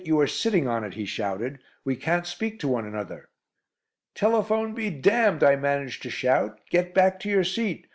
You are sitting on it," he shouted. "We can't speak to one another." "Telephone be damned!" I managed to shout. "Get back to your seat.